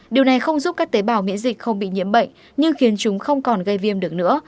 điều này không giúp các tế bào miễn dịch không bị nhiễm bệnh nhưng khiến chúng không còn gây viêm được nữa